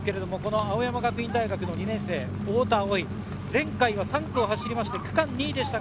青山学院大学、２年生・太田蒼生、前回３区を走って区間２位でした。